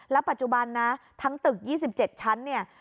ปัจจุบันนะทั้งตึก๒๗ชั้นเนี่ย